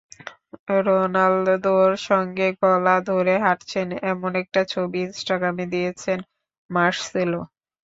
রোনালদোর সঙ্গে গলা ধরে হাঁটছেন, এমন একটি ছবি ইনস্টাগ্রামে দিয়েছেন মার্সেলো।